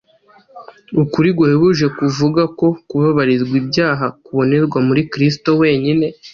Ukuri guhebuje kuvuga ko kubabarirwa ibyaha kubonerwa muri Kristo wenyine,